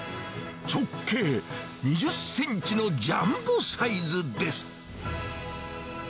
直径２０センチのジャンボサイズです。